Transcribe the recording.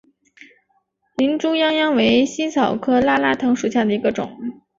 林猪殃殃为茜草科拉拉藤属下的一个种。